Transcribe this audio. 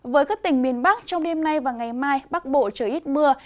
với các tỉnh miền bắc trong đêm nay và ngày mai bắc bộ trời ít mưa